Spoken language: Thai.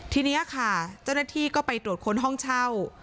ทีนี้ค่ะเจ้าหน้าที่ก็ไปตรวจค้นห้องเช่า